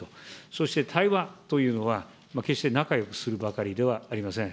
そして対話というのは、決して仲よくするばかりではありません。